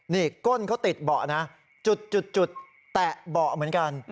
นี่ก้นเขาติดเบาะนะจุดแตะเบาะเหมือนกัน